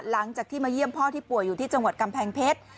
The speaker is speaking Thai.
หลังจากที่มาเยี่ยมพ่อที่ป่วยอยู่ที่จังหวัดกำแพงเพชร